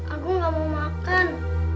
agung gak mau makan